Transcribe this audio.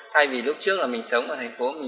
thay vì lúc trước là mình sống ở thành phố mình